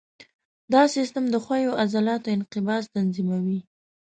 دا سیستم د ښویو عضلو انقباض تنظیموي.